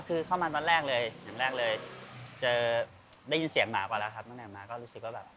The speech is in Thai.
เขามาตอนแรกเลยเพิ่งได้ยินเสียงหมากว่าแล้ว